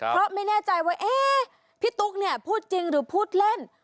เพราะไม่แน่ใจว่าเอ๊ะพี่ตุ๊กเนี่ยพูดจริงหรือพูดเล่น